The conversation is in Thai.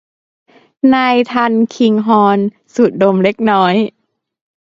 นายทัลคิงฮอร์นสูดดมเล็กน้อย